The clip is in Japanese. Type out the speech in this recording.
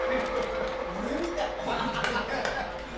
俺みたい。